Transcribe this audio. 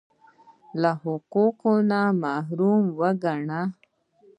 له حقونو محروم ګاڼه